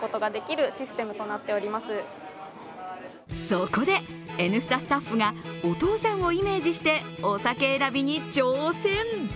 そこで「Ｎスタ」スタッフがお父さんをイメージしてお酒選びに挑戦。